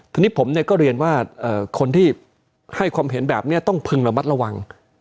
ทีนี้ผมก็เรียนว่าคนที่ให้ความเห็นแบบนี้ต้องพึงระมัดระวัง